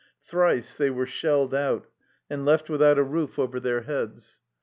Thrice they were shelled out and left without a roof over their NOTE vii heads.